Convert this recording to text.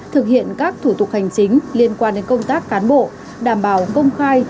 thực hiện các thủ tục hành chính liên quan đến công tác cán bộ đảm bảo công khai